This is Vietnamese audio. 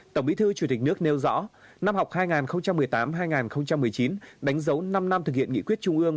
tổng bí thư chủ tịch nước nêu rõ năm học hai nghìn một mươi tám hai nghìn một mươi chín đánh dấu năm năm thực hiện nghị quyết trung ương